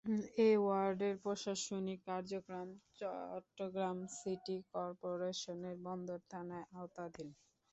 এ ওয়ার্ডের প্রশাসনিক কার্যক্রম চট্টগ্রাম সিটি কর্পোরেশনের বন্দর থানার আওতাধীন।